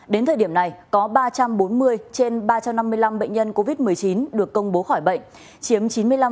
đến thời điểm này có ba trăm bốn mươi trên ba trăm năm mươi năm bệnh nhân covid một mươi chín được công bố khỏi bệnh chiếm chín mươi năm